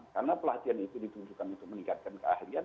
karena pelatihan itu ditunjukkan untuk meningkatkan keahlian